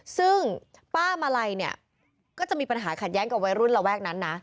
ซึ่งป้ามาลัยเนี่ยก็จะมีปัญหาขัดแย้งกับวัยรุ่นระแวกนั้นนะ